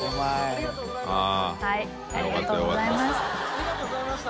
ありがとうございます。